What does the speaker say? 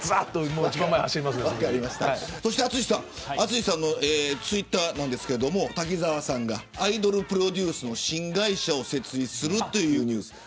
そして淳さんのツイッターなんですが滝沢さんがアイドルプロデュースの新会社を設立するニュース。